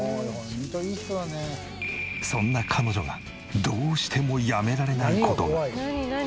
そんな彼女がどうしてもやめられない事が。